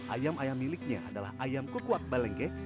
ayam ayam miliknya adalah ayam kukuak balengkeh